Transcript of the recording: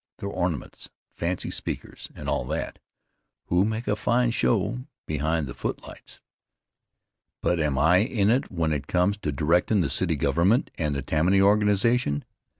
They're ornaments, fancy speakers and all that, who make a fine show behind the footlights, but am I in it when it comes to directin' the city government and the Tammany organization.